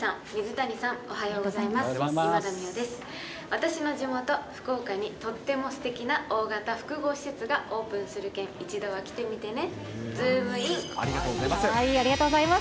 私の地元、福岡にとってもすてきな大型複合施設がオープンするけん、一度は来てみてね、ズームイありがとうございます。